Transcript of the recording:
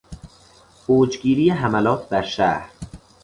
اوجگیری حملات بر شهر